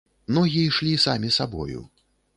Ногі ішлі самі сабою.